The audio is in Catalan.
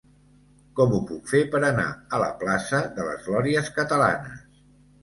Com ho puc fer per anar a la plaça de les Glòries Catalanes?